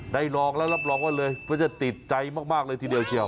ลองแล้วรับรองว่าเลยเพื่อจะติดใจมากเลยทีเดียวเชียว